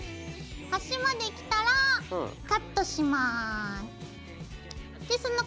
端まできたらカットします。